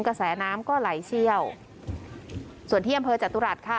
กระแสน้ำก็ไหลเชี่ยวส่วนที่อำเภอจตุรัสค่ะ